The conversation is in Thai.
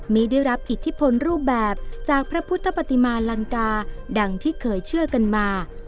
มีได้รับอิทธิพลรูปแบบจากพระพุทธปฏิมาลังกาดังที่เคยเชื่อกันมา